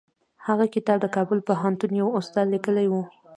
هغه کتاب د کابل پوهنتون یوه استاد لیکلی و.